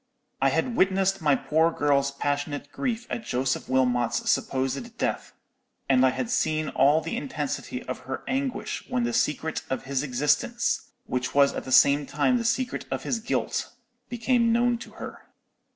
I had witnessed my poor girl's passionate grief at Joseph Wilmot's supposed death: and I had seen all the intensity of her anguish when the secret of his existence, which was at the same time the secret of his guilt, became known to her.